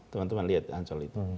teman teman lihat ancol itu